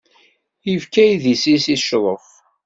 Ifka idis-is, i ccḍef.